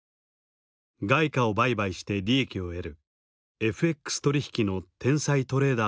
外貨を売買して利益を得るＦＸ取引の天才トレーダーと紹介された。